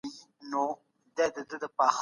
هیڅکله مه تسلیمیږئ.